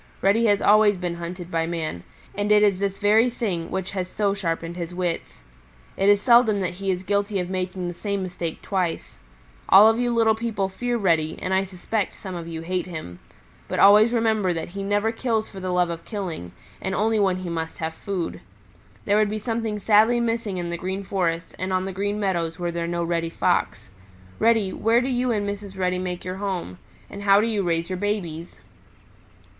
Reddy has always been hunted by man, and it is this very thing which has so sharpened his wits. It is seldom that he is guilty of making the same mistake twice. All of you little people fear Reddy, and I suspect some of you hate him. But always remember that he never kills for the love of killing, and only when he must have food. There would be something sadly missing in the Green Forest and on the Green Meadows were there no Reddy Fox. Reddy, where do you and Mrs. Reddy make your home? And how do you raise your babies?"